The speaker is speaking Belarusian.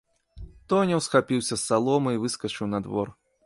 Тоня ўсхапіўся з саломы і выскачыў на двор.